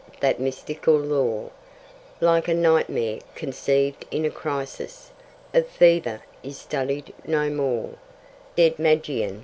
that mystical lore, Like a nightmare, conceived in a crisis Of fever, is studied no more; Dead Magian!